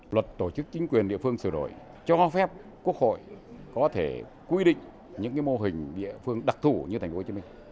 luật tổ chức chính quyền địa phương sửa đổi cho phép quốc hội có thể quy định những mô hình địa phương đặc thủ như tp hcm